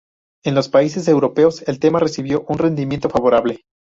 En los países europeos, el tema recibió un rendimiento favorable.